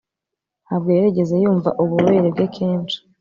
Ntabwo yari yarigeze yumva ububobere bwe kenshi